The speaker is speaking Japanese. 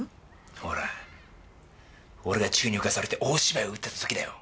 ほら俺が宙に浮かされて大芝居を打ってた時だよ。